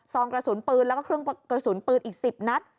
องกระสุนปืนแล้วก็เครื่องกระสุนปืนอีก๑๐นัด